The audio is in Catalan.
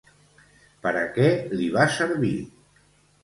Per a què li va servir?